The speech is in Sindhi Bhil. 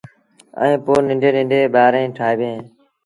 ائيٚݩ پو ننڊيٚن ننڍيٚݩ ٻآريٚݩ ٺآئيٚبيٚن اهيݩ